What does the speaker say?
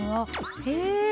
へえ。